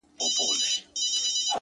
ستا غمونه مي د فكر مېلمانه سي ـ